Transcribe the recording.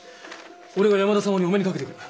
俺が山田様にお目にかけてくる。